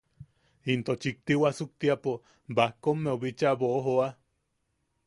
Into chikti wasuktiapo Bajkommeu bicha boʼojoa.